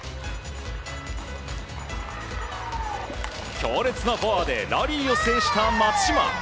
強烈なフォアでラリーを制した松島。